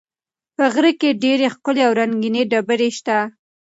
په غره کې ډېرې ښکلې او رنګینې ډبرې شته.